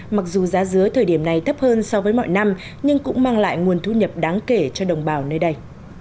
mặc dù giá dứa thời điểm này thấp hơn so với mọi năm nhưng cũng mang lại nguồn thu nhập đáng kể cho đồng bào nơi đây